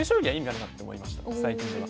最近では。